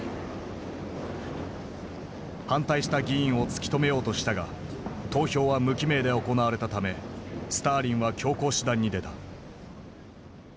反対した議員を突き止めようとしたが投票は無記名で行われたためスターリンは強硬手段に出た。